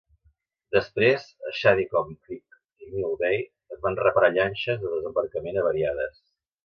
Després, a Shadycombe Creek i Mill Bay es van reparar llanxes de desembarcament avariades.